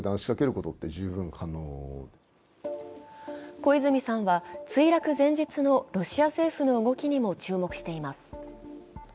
小泉さんは墜落前日のロシア政府の動きにも注目しています。